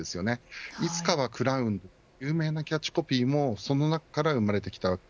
いつかはクラウンという有名なキャッチコピーもその中から生まれました。